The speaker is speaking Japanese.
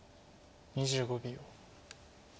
２５秒。